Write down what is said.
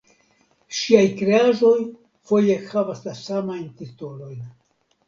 Ŝiaj kreaĵoj foje havas la samajn titolojn!